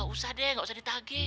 gak usah deh gak usah ditage